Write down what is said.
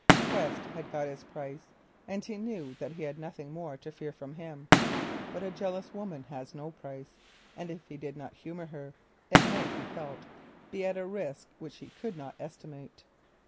Quest had got his price, and he knew that he had nothing more to fear from him; but a jealous woman has no price, and if he did not humour her it might, he felt, be at a risk which he could not estimate.